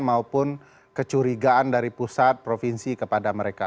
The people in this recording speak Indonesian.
maupun kecurigaan dari pusat provinsi kepada mereka